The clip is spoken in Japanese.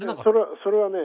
それはね